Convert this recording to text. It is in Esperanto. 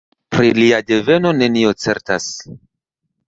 Pri lia deveno nenio certas.